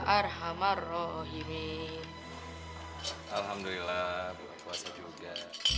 alhamdulillah bulan puasa juga